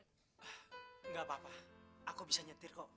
tidak apa apa aku bisa nyetir kok